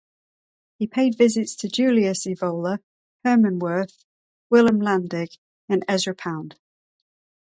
He paid visits to Julius Evola, Herman Wirth, Wilhelm Landig and Ezra Pound.